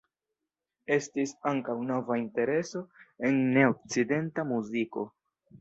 Estis ankaŭ nova intereso en ne-okcidenta muziko.